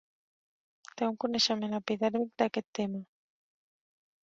Té un coneixement epidèrmic d'aquest tema.